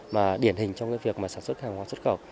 mà điển hình trong việc sản xuất hàng hóa xuất khẩu